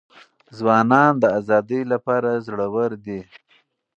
ځوانان د آزادۍ لپاره زړه ور دي.